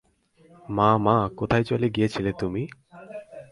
মা, মা, কোথায় চলে গিয়েছিলে তুমি?